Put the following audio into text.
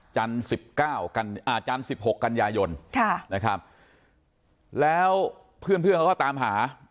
จันทร์สิบ๖กัญญาโยนแล้วเพื่อนเขาก็ตามหา